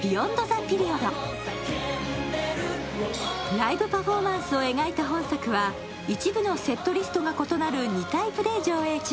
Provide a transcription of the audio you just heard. ライブパフォーマンスを描いた本作は、一部のセットリストが異なる２タイプで上映中。